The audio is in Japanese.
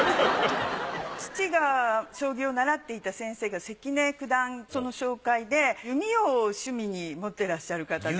父が将棋を習っていた先生が関根九段その紹介で弓を趣味に持ってらっしゃる方で。